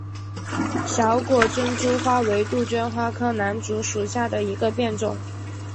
小果珍珠花为杜鹃花科南烛属下的一个变种。